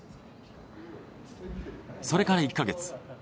それから１か月。